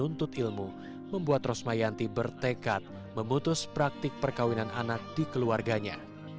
menuntut ilmu membuat rosmayanti bertekad memutus praktik perkawinan anak di keluarganya